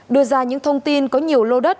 đưa ra những thông tin có nhiều lô đất